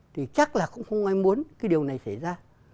thì chắc là cũng không ai muốn cái điều này xảy ra